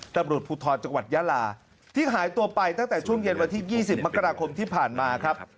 ตำรวจภูทรจังหวัดยาลาที่หายตัวไปตั้งแต่ช่วงเย็นวันที่๒๐มกราคมที่ผ่านมาครับ